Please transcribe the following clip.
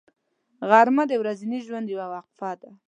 غرمه د ورځني ژوند یوه وقفه ده